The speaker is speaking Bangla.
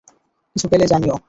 কিছু পেলে জানিও।